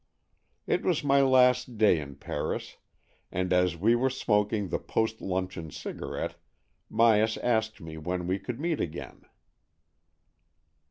It was my last day in Paris, and as we w'ere smoking the post luncheon cigarette, Myas asked me when we could meet again.